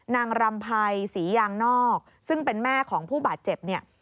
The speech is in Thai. นางรำภัยศรียางนอกซึ่งเป็นแม่ของผู้บาดเจ็บเนี่ย